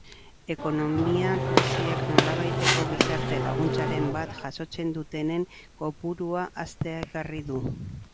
Ekonomia krisiak nolabaiteko gizarte laguntzaren bat jasotzen dutenen kopurua haztea ekarri du.